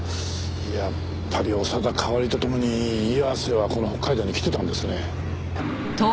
やっぱり長田かおりとともに岩瀬はこの北海道に来てたんですね。